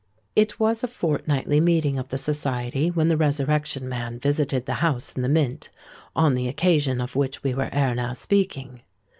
It was a fortnightly meeting of the society when the Resurrection Man visited the house in the Mint, on the occasion of which we were ere now speaking.